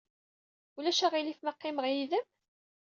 Ulac aɣilif ma qqimeɣ yid-m?